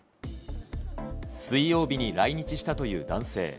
水曜日に来日したという男性。